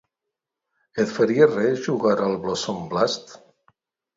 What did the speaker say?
Et faria res jugar al "Blossom blast"?